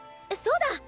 そうだ！